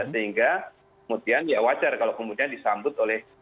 sehingga kemudian ya wajar kalau kemudian disambut oleh